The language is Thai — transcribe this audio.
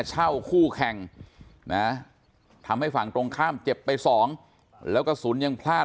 คู่แข่งนะทำให้ฝั่งตรงข้ามเจ็บไปสองแล้วกระสุนยังพลาด